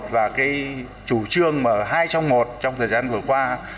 và cái chủ trương mà hai trong một trong thời gian vừa qua